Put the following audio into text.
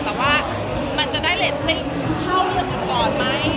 แต่ว่ามันจะได้เรจเป็นเข้าเรื่องก่อนไหม